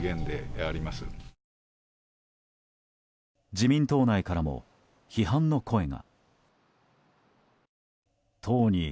自民党内からも、批判の声が。